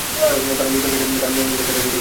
তারা লুতের কাছ থেকে তার মেহমানদেরকে দাবি করল।